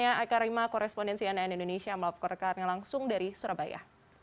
aikarima korespondensi ann indonesia melaporkannya langsung dari surabaya